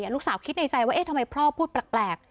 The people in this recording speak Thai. ลูกสาวคิดในใจว่าเอ๊ะทำไมพ่อพูดแปลก